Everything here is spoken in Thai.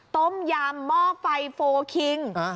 ต้มยำหม้อไฟโฟลคิง